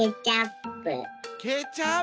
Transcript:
ケチャップ。